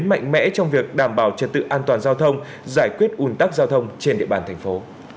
an toàn giao thông giải quyết ủn tắc giao thông trên địa bàn thành phố